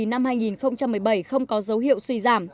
năm hai nghìn một mươi bảy không có dấu hiệu